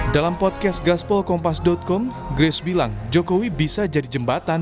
dalam podcast gaspol kompas com grace bilang jokowi bisa jadi jembatan